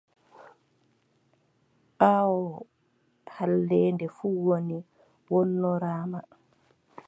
Aawoo halleende fuu woni wonnoraamaa.